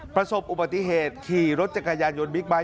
ประสบอุบัติเหตุขี่รถจักรยานยนต์บิ๊กไบท